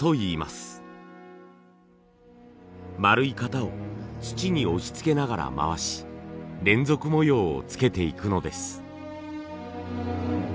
丸い型を土に押しつけながら回し連続模様をつけていくのです。